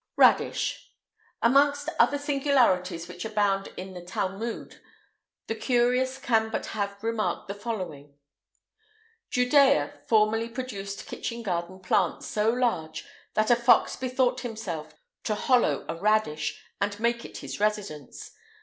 [IX 161] RADISH. Amongst other singularities which abound in the Talmud, the curious can but have remarked the following: Judea formerly produced kitchen garden plants so large, that a fox bethought himself to hollow a radish, and make it his residence.